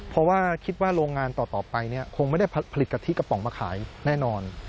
เพราะว่าคิดว่าโรงงานต่อไปคงไม่ได้ผลิตกะทิกระป๋องมาขายแน่นอน